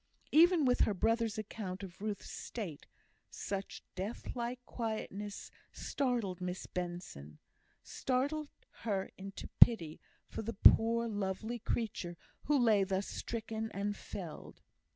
Even with her brother's account of Ruth's state, such death like quietness startled Miss Benson startled her into pity for the poor lovely creature who lay thus stricken and felled.